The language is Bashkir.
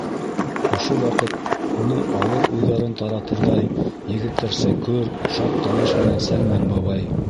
Ошо ваҡыт уның ауыр уйҙарын таратырҙай егеттәрсә көр, шат тауыш менән Сәлмән бабай: